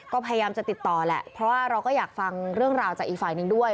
ก็พยายามจะติดต่อแหละเพราะว่าเราก็อยากฟังเรื่องราวจากอีกฝ่ายหนึ่งด้วย